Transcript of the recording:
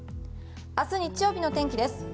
明日日曜日の天気です。